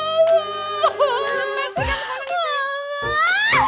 pasti gak kelcles american